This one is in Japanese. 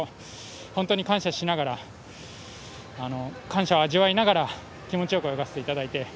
本当に感謝しながら感謝を味わいながら気持ちよく泳がせていただいて。